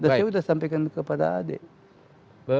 saya sudah sampaikan kepada adik